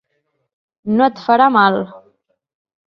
No et farà mal!